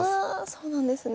そうなんですね。